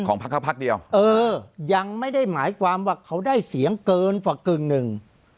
พักเขาพักเดียวเออยังไม่ได้หมายความว่าเขาได้เสียงเกินกว่ากึ่งหนึ่ง